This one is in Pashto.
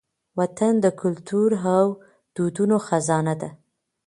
وطن د کلتور او دودونو خزانه ده.